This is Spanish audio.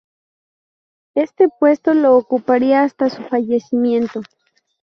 Este puesto lo ocuparía hasta su fallecimiento.